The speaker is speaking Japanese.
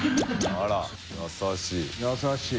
あら優しい。